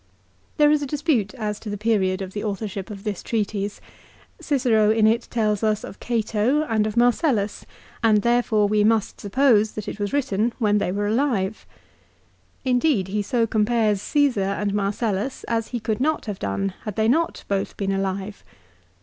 There is a dispute as to the period of the authorship of this treatise. Cicero in it tells us of Cato, and of Marcellus, and therefore we must suppose that it was written when they Y 2 324 LIFE OF CICERO. were alive. Indeed he so compares Caesar and Marcellus as he could not have done had they not both been alive.